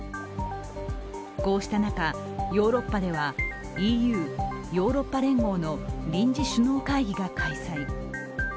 こうした中、ヨーロッパではＥＵ＝ヨーロッパ連合の臨時首脳会議が開催。